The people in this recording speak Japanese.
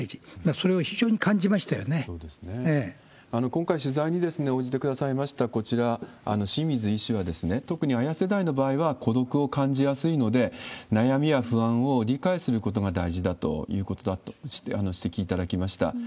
今回、取材に応じてくださいました、こちら、清水医師は、特にＡＹＡ世代の場合は孤独を感じやすいので、悩みや不安を理解することが大事だということだと指摘いただきました。